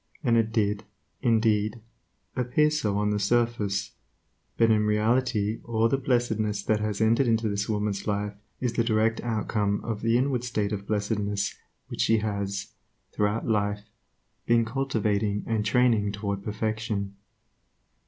And it did, indeed, appear so on the surface; but in reality all the blessedness that has entered into this woman's life is the direct outcome of the inward state of blessedness which she has, throughout life, been cultivating and training toward perfection.